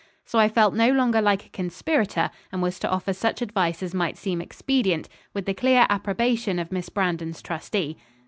So I felt no longer like a conspirator, and was to offer such advice as might seem expedient, with the clear approbation of Miss Brandon's trustee.